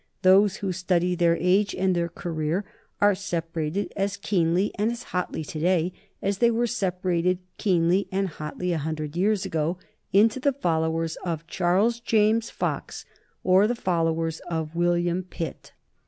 Those who study their age and their career are separated as keenly and as hotly to day as they were separated keenly and hotly a hundred years ago into the followers of Charles James Fox or the followers of William Pitt.